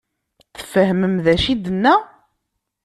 Tfehmem d acu i d-tenna?